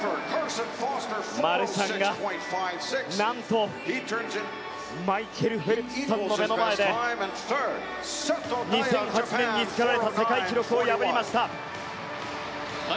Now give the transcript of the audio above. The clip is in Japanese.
マルシャンがなんとマイケル・フェルプスさんの目の前で２００８年に作られた世界記録を破りました。